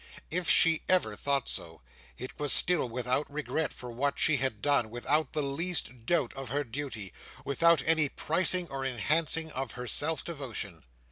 If she ever thought so, it was still without regret for what she had done, without the least doubt of her duty, without any pricing or enhancing of her self devotion.